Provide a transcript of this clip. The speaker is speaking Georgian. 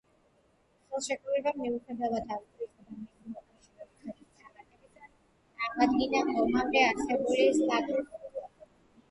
ხელშეკრულებამ მიუხედავად ავსტრიისა და მისი მოკავშირე რუსეთის წარმატებისა აღადგინა ომამდე არსებული სტატუს-კვო.